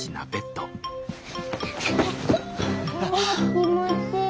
気持ちいい。